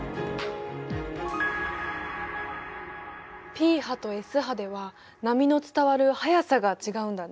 Ｐ波とＳ波では波の伝わる速さが違うんだね。